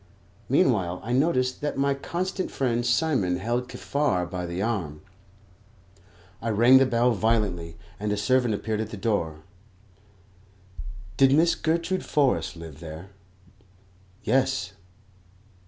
Meanwhile I noticed that my constant friend Simon held Kaffar by the arm. I rang the bell violently, and a servant appeared at the door. Did Miss Gertrude Forrest live there? Yes.